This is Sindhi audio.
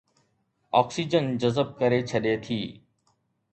آڪسيجن جذب ڪري ڇڏي ٿي